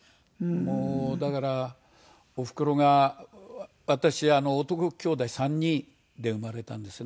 もうだからおふくろが私男兄弟３人で生まれたんですね。